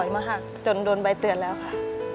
บ่อยมาหักจนโดนใบเตือนแล้วค่ะ